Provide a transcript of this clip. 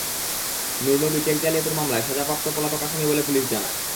Nur Nabi cheque জালিয়াতির মামলায় সাজাপ্রাপ্ত পলাতক আসামি বলে পুলিশ জানায়।